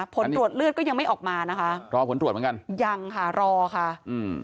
ผลตรวจเลือดก็ยังไม่ออกมานะคะรอผลตรวจเหมือนกันยังค่ะรอค่ะอืม